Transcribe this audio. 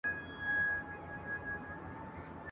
ما به دي په خوب کي مرغلین امېل پېیلی وي !.